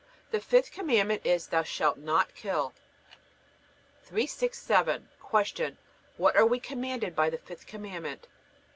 The fifth Commandment is: Thou shalt not kill. 367. Q. What are we commanded by the fifth Commandment?